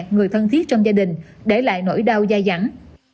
người thân thiết trong gia đình để lại nỗi đau da dẳng